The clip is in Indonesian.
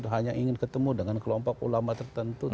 hanya ingin ketemu dengan kelompok ulama tertentu